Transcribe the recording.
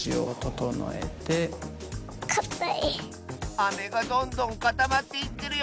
アメがどんどんかたまっていってるよ！